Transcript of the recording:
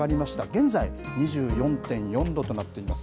現在、２４．４度となっています。